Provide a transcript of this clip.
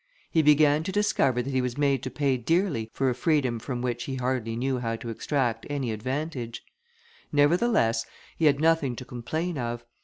He began to discover that he was made to pay dearly for a freedom from which he hardly knew how to extract any advantage; nevertheless he had nothing to complain of.